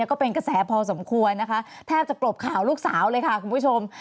ก็เป็นกระแสพอสมควรนะคะแทบจะกลบข่าวลูกสาวเลยค่ะคุณผู้ชม